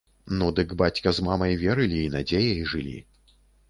Ну, дык бацька з мамай верылі і надзеяй жылі.